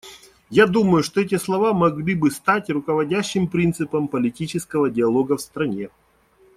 Я думаю, что эти слова могли бы стать руководящим принципом политического диалога в стране.